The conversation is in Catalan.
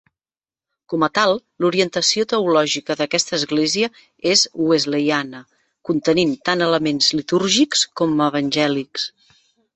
Com a tal, l'orientació teològica d'aquesta església és wesleyana, contenint tant elements litúrgics com evangèlics.